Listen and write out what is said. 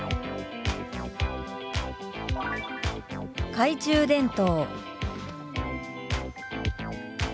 「懐中電灯」。